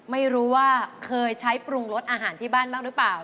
ไม่รู้ว่าเคยใช้ปรุงรสอาหารที่บ้านบ้างหรือเปล่า